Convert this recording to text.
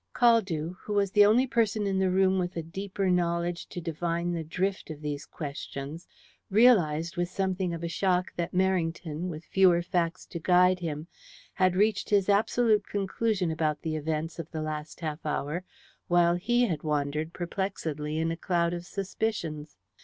Caldew, who was the only person in the room with the deeper knowledge to divine the drift of these questions, realized with something of a shock that Merrington, with fewer facts to guide him, had reached his absolute conclusion about the events of the last half hour while he had wandered perplexedly in a cloud of suspicions.